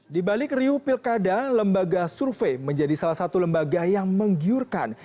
di balik riu pilkada lembaga survei menjadi salah satu lembaga yang menggiurkan